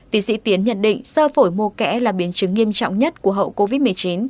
tiến sĩ tiến nhận định sơ phổi mô kẽ là biến chứng nghiêm trọng nhất của hậu covid một mươi chín